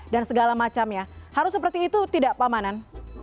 dan segala macamnya harus seperti itu tidak pamanan